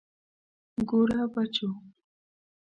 ګوره بچو.